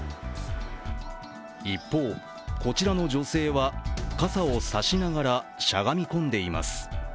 一方、こちらの女性は傘を差しながらしゃがみ込んでいます。